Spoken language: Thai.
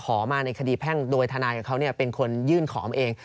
มาในคดีแพ่งโดยทนายกับเขาเป็นคนยื่นขอมาเอง